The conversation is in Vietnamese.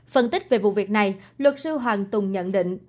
phân tích về vụ việc này luật sư hoàng tùng nhận định